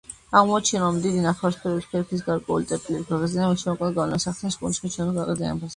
აღმოაჩინა, რომ დიდი ნახევარსფეროების ქერქის გარკვეული წერტილების გაღიზიანება შემაკავებელ გავლენას ახდენს ჩონჩხის კუნთების გაღიზიანებაზე.